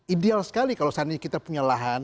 ideal sekali kalau saat ini kita punya lahan